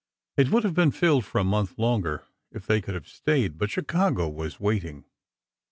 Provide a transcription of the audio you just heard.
It would have been filled for a month longer, if they could have stayed. But Chicago was waiting.